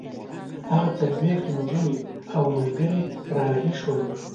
هغه څلوېښت نجونې او ملګري را رهي شول.